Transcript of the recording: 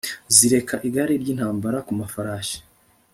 zirika igare ry intambara ku mafarashi